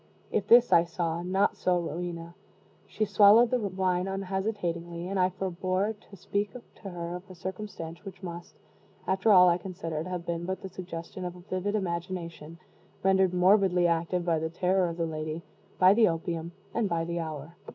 If this I saw not so Rowena. She swallowed the wine unhesitatingly, and I forebore to speak to her of a circumstance which must, after all, I considered, have been but the suggestion of a vivid imagination, rendered morbidly active by the terror of the lady, by the opium, and by the hour.